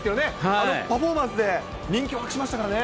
あのパフォーマンスで人気を博しましたからね。